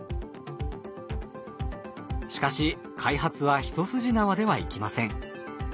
しかし開発は一筋縄ではいきません。